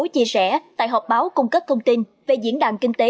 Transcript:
chia sẻ tại họp báo cung cấp thông tin về diễn đàn kinh tế